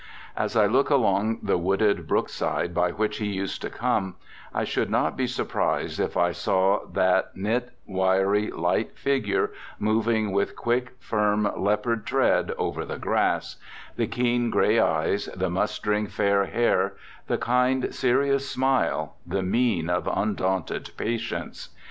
As I look along the wooded brook side by which he used to come, I should not be surprised, if I saw that knit, wiry, light figure moving with quick, firm, leopard tread over the grass, the keen gray eye, the clustering fair hair, the kind, serious smile, the mien of undaunted patience.